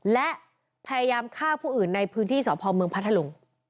และพยายามฆ่าผู้อื่นในพื้นที่สพเมืองพัทธลุง